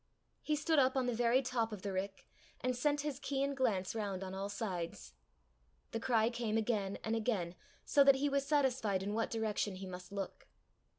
He stood up on the very top of the rick and sent his keen glance round on all sides. The cry came again and again, so that he was satisfied in what direction he must look.